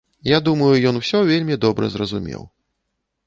І думаю, ён усё вельмі добра зразумеў.